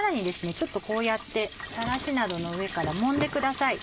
ちょっとこうやってさらしなどの上からもんでください。